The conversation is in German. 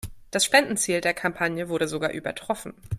Das Spendenziel der Kampagne wurde sogar übertroffen.